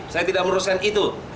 saya tidak merusakkan itu